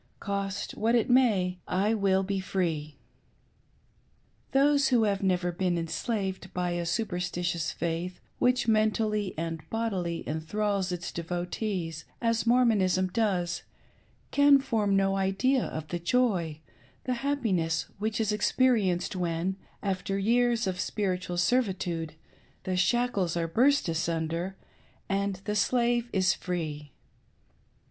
Cost me what it may, I w/// be free!" Those who have never been enslaved by a superstitious faith which mentally and bodily enthrals its devotees, as Mormon' ism does, can form no idea of the joy, the happiness, whichis experienced when, after years of spiritual servitude, the shackles are burst asunder arid the slave is" free